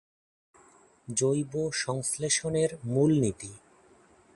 জৈব সংশ্লেষণের মূলনীতি।